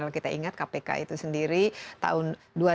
kalau kita ingat kpk itu sendiri tahun dua ribu